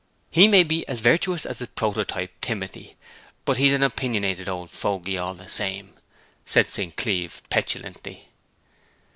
'He may be as virtuous as his prototype Timothy; but he's an opinionated old fogey all the same,' said St. Cleeve petulantly.